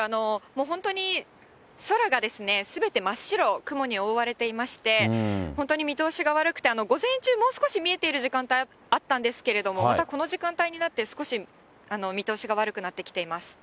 もう本当に空がすべて真っ白、雲に覆われていまして、本当に見通しが悪くて、午前中、もう少し見えている時間帯あったんですけれども、またこの時間帯になって、少し見通しが悪くなってきています。